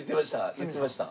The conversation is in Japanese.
言ってました。